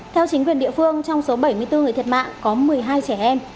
theo chính quyền địa phương trong số bảy mươi bốn người thiệt mạng có một mươi hai trẻ em